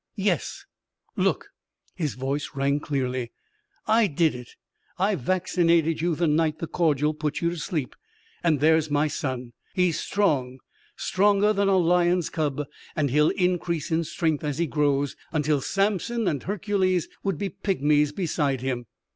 "Yes, look!" His voice rang clearly. "I did it. I vaccinated you the night the cordial put you to sleep. And there's my son. He's strong. Stronger than a lion's cub. And he'll increase in strength as he grows until Samson and Hercules would be pygmies beside him.